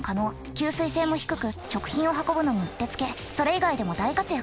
吸水性も低く食品を運ぶのにうってつけそれ以外でも大活躍。